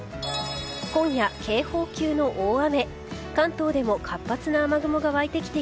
今夜、警報級の大雨。